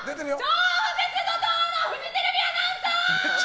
超絶怒涛のフジテレビアナウンサー！